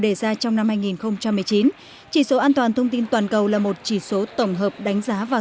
đề ra trong năm hai nghìn một mươi chín chỉ số an toàn thông tin toàn cầu là một chỉ số tổng hợp đánh giá và